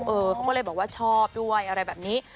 เขาก็เลยบอกว่าชอบด้วยอะไรแบบนี้